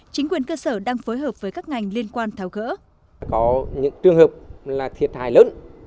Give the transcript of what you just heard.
chính quyền cơ sở đang phối hợp với các ngành liên quan tháo gỡ